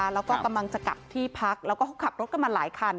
แล้วก็กำลังจะกลับที่พักแล้วก็เขาขับรถกันมาหลายคัน